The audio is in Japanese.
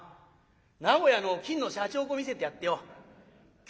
名古屋の金のしゃちほこ見せてやってよ京